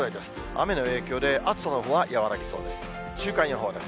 雨の影響で、暑さのほうは和らぎそうです。